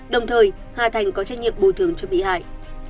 đồng thời hà thành có trách nhiệm bồi thường cho bị hại